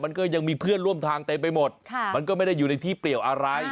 มันก็ยังมีเพื่อนร่วมทางเต็มไปหมดมันก็ไม่ได้อยู่ในที่เปลี่ยวอะไร